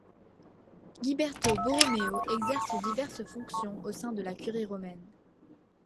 Giberto Borromeo exerce diverses fonctions au sein de la Curie romaine.